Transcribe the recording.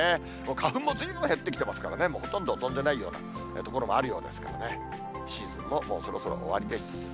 花粉もずいぶん減ってきてますからね、ほとんど飛んでないような所もあるようですからね、シーズンももうそろそろ終わりです。